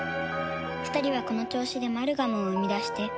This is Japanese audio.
２人はこの調子でマルガムを生み出して。